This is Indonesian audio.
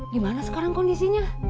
gimana sekarang kondisinya